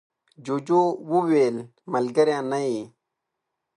جوجو وویل ملگری نه یې.